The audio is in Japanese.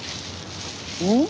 うん？